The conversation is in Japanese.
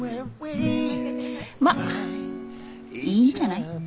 まっいいんじゃない？